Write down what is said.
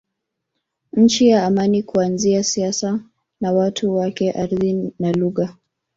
Nchi ya Amani Kuanzia siasa na watu wake ardhi na lugha